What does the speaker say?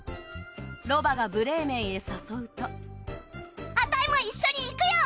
ロバがブレーメンへ誘うとアタイもいっしょに行くよ！